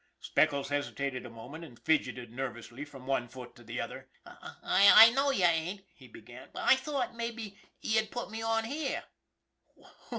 Speckles hesitated a moment and fidgeted nerv ously from one foot to the other. " I know you ain't," he began, " but I thought maybe you'd put me on here."